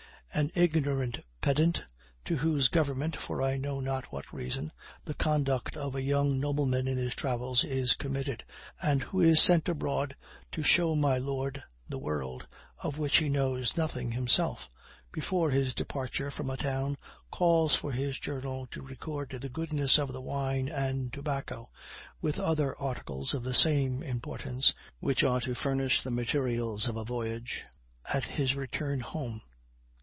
An ignorant pedant, to whose government, for I know not what reason, the conduct of a young nobleman in his travels is committed, and who is sent abroad to show my lord the world, of which he knows nothing himself, before his departure from a town, calls for his Journal to record the goodness of the wine and tobacco, with other articles of the same importance, which are to furnish the materials of a voyage at his return home.